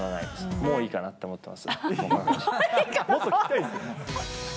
もういいかなって思ってます？